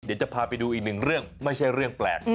เดี๋ยวจะพาไปดูอีกหนึ่งเรื่องไม่ใช่เรื่องแปลก